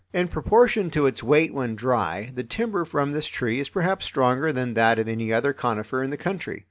In proportion to its weight when dry, the timber from this tree is perhaps stronger than that of any other conifer in the country.